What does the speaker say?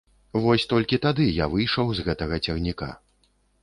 Вось толькі тады я выйшаў з гэтага цягніка.